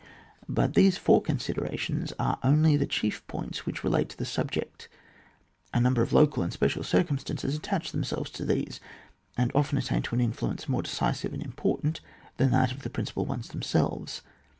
But these four conditions are only the chief points which relate to the subject ; a number of local and special circum stances attach themselves to these, and often attain to an influence more decisive and important than that of the principal ones themselves.